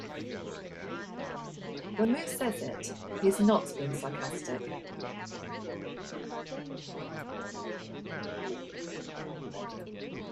When Moose says it, he is not being sarcastic.